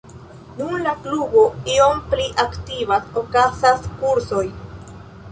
Nun la klubo iom pli aktivas, okazas kursoj.